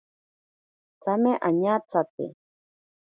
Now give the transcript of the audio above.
Tsame añatsate.